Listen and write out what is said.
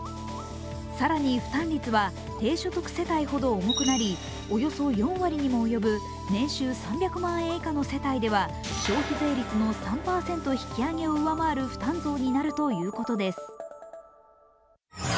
更に負担率は低所得者世帯ほど重くなりおよそ４割にも及ぶ年収３００万円以下の世帯では消費税率の３％引き上げを上回る負担増になるということです。